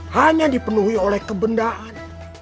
hanya dipenuhi oleh kebendaan